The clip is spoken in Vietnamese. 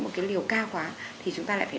một cái liều cao quá thì chúng ta lại phải